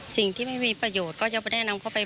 สิ่งที่ไม่มีประโยชน์ก็จะแนะนำเข้าไป